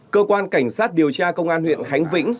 cơ quan cảnh sát điều tra công an huyện khánh vĩnh